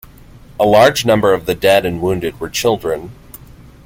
A large number of the dead and wounded were children.